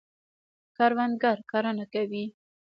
کروندګر کرنه کوي.